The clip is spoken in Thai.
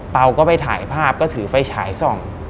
เราก็ไปถ่ายภาพก็ถือไฟฉายส่อง